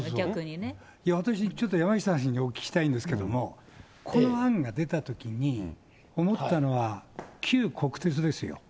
私、山下さんにお聞きしたいんですけど、この案が出たときに、思ったのは、旧国鉄ですよ。